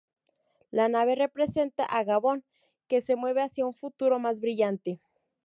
La nave representa a Gabón que se mueve hacia un futuro más brillante.